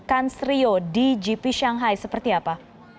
kans rio di gp shanghai seperti apa